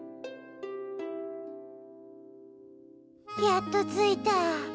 やっと着いた。